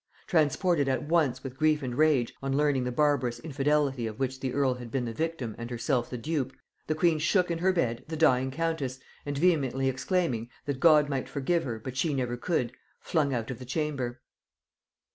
Transported at once with grief and rage, on learning the barbarous infidelity of which the earl had been the victim and herself the dupe, the queen shook in her bed the dying countess, and vehemently exclaiming, that God might forgive her, but she never could, flung out of the chamber.